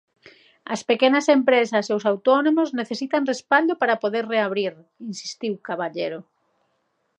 As pequenas empresas e os autónomos necesitan respaldo para poder reabrir, insistiu Caballero.